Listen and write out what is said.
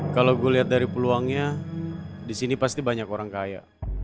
kalau gue lihat dari peluangnya di sini pasti banyak orang kaya